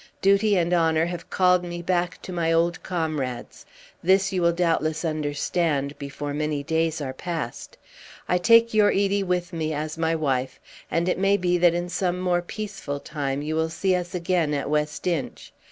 Duty and honour have called me back to my old comrades. This you will doubtless understand before many days are past. I take your Edie with me as my wife; and it may be that in some more peaceful time you will see us again at West Inch.